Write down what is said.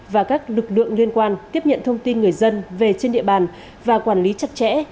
và các lực lượng liên quan tiếp nhận thông tin người dân về trên địa bàn và quản lý chặt chẽ